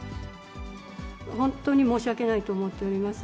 本当に申し訳ないと思っています。